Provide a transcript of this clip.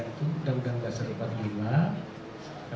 itu undang undang seribu sembilan ratus empat puluh lima